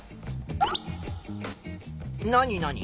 何何？